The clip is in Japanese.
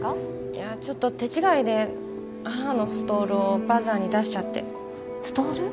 いやちょっと手違いで母のストールをバザーに出しちゃってストール？